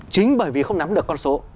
chính bởi vì không nắm được con số